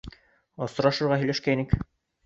Осрашырға һөйләшкәйнек.